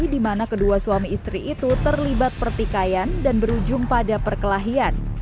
di mana kedua suami istri itu terlibat pertikaian dan berujung pada perkelahian